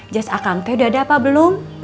jas akam teh udah ada apa belum